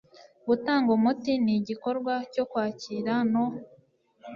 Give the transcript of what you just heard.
Gutanga umuti ni igikorwa cyo kwakira no